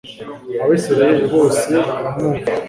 abisirayeli bose baramwumvira